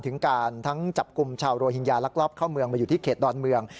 ถึงการทั้งจับกลุ่มชาวโรฮิงญาลักลอบเข้าเมืองมาอยู่ที่เขตดอนเมือง